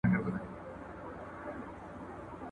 هغه زیاته کړه چي ژوندپوهنه د خلکو د پوهاوي لاره ده.